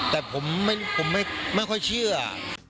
แต่ผมไม่ควรชื่ออ่ะ